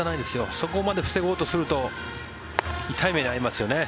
そこまで防ごうとすると痛い目に遭いますよね。